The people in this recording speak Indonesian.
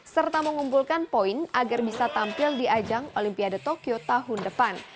serta mengumpulkan poin agar bisa tampil di ajang olimpiade tokyo tahun depan